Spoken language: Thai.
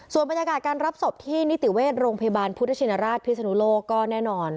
ส่วนบรรยากาศการรับศพที่นิติเวชโรงพยาบาลพุทธชินราชพิศนุโลกก็แน่นอน